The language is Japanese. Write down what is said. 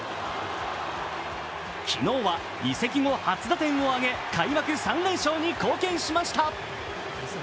昨日は移籍後、初打点を挙げ開幕３連勝に貢献しました。